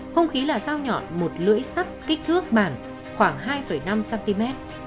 hung khí là sao nhọn một lưỡi sắt kích thước bảng khoảng hai năm cm